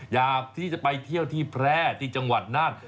อยากที่จะไปเที่ยวที่แพร่ที่จังหวัดน่าน